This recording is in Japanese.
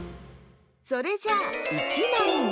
それじゃあ１まいめ。